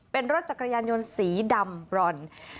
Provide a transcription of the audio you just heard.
เป็นรถจักรยานยนต์สีดำบรอน